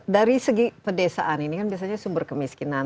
dari segi pedesaan ini kan biasanya sumber kemiskinan